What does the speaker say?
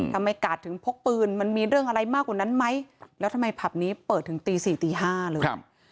กาดถึงพกปืนมันมีเรื่องอะไรมากกว่านั้นไหมแล้วทำไมผับนี้เปิดถึงตีสี่ตีห้าเลย